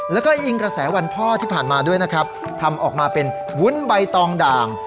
แล้วก็อิงกระแสวันพ่อที่ผ่านมาด้วยนะครับทำออกมาเป็นวุ้นใบตองด่าง